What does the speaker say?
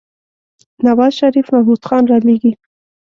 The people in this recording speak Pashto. نوازشريف محمود خان رالېږي.